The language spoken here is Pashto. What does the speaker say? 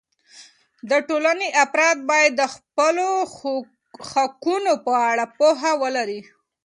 د ټولنې افراد باید د خپلو حقونو په اړه پوهه ولري.